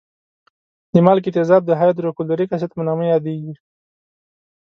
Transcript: د مالګي تیزاب د هایدروکلوریک اسید په نامه یادېږي.